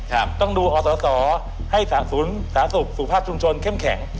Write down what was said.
ก็ต้องดูต่อส่วนให้ศาสุสุภาษณ์ชุมชนเข้มแข็ง